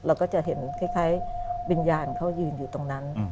เราก็จะเห็นคล้ายวิญญาณเขายืนอยู่ตรงนั้น